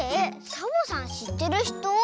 サボさんしってるひと？